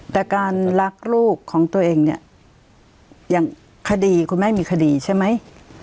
แต่การรักลูกของตัวเองเนี่ยอย่างคดีคุณแม่มีคดีใช่ไหม